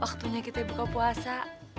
waktunya kita buka puasa